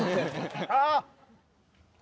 あっ。